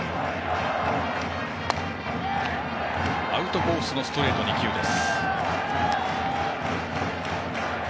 アウトコースのストレート２球です。